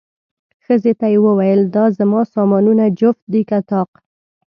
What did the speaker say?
ښځې ته یې وویل، دا زما سامانونه جفت دي که طاق؟